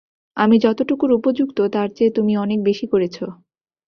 আমি যতটুকুর উপযুক্ত, তার চেয়ে তুমি অনেক বেশী করেছ।